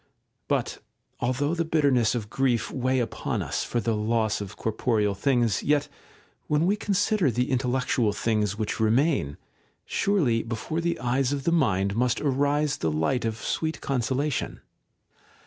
§ 2. But although the bitterness of grief weigh upon us for the Ipss of corporeal things, yet, when we consider the intellectual things which remain, surely before the eyes of the mind must arise the light of sweet consolation.